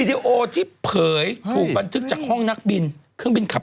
เดี๋ยวจะส่งไปให้เนอะ